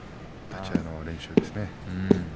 立ち合いの練習ですね。